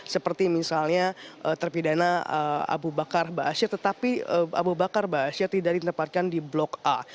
seperti misalnya terpidana abu bakar ba'asyir tetapi abu bakar ba'asyir tidak ditempatkan di blok a